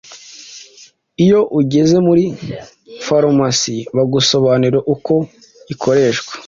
iyo ugeze muri farumasi bagusobanurira uko ikoreshwa